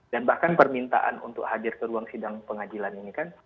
dan bahkan permintaan untuk hadir ke ruang sidang pengadilan ini kan